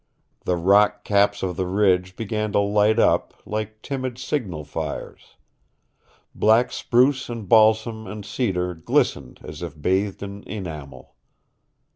The rock caps of the ridge began to light up, like timid signal fires. Black spruce and balsam and cedar glistened as if bathed in enamel.